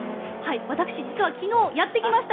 私、実は昨日やってきました。